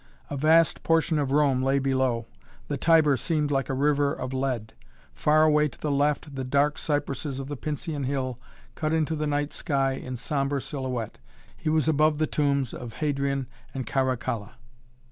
A vast portion of Rome lay below. The Tiber seemed like a river of lead. Far away to the left the dark cypresses of the Pincian Hill cut into the night sky in sombre silhouette. He was above the tombs of Hadrian and Caracalla.